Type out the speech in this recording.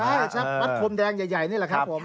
วัดโครมแดงใหญ่นี่แหละครับ